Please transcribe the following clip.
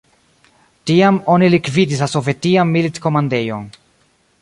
Tiam oni likvidis la sovetian milit-komandejon.